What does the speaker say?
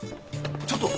ちょっと。